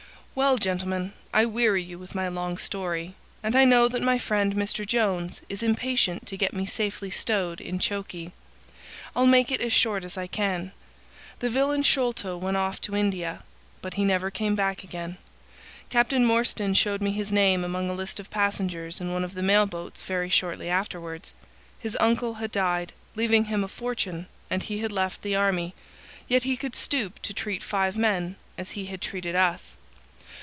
"Well, gentlemen, I weary you with my long story, and I know that my friend Mr. Jones is impatient to get me safely stowed in chokey. I'll make it as short as I can. The villain Sholto went off to India, but he never came back again. Captain Morstan showed me his name among a list of passengers in one of the mail boats very shortly afterwards. His uncle had died, leaving him a fortune, and he had left the army, yet he could stoop to treat five men as he had treated us.